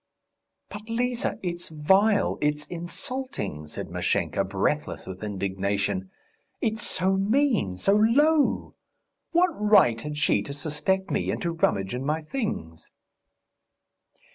"But, Liza, it's vile ... it's insulting," said Mashenka, breathless with indignation. "It's so mean, so low! What right had she to suspect me and to rummage in my things?"